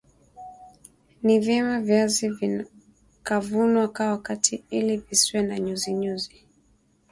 Ni vyema viazi vikavunwa ka wakati ili visiwe na nyuzinyuzi